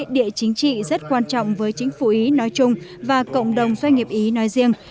địa chính trị rất quan trọng với chính phủ ý nói chung và cộng đồng doanh nghiệp ý nói riêng